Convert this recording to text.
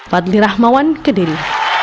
padli rahmawan kediri